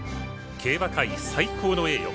競馬界最高の栄誉